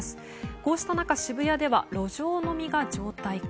こうした中、渋谷では路上飲みが常態化。